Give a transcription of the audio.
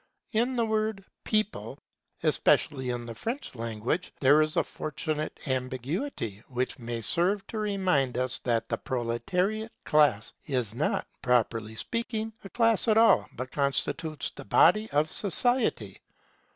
In the word People, especially in the French language, there is a fortunate ambiguity, which may serve to remind us that the proletariate class is not, properly speaking, a class at all, but constitutes the body of society.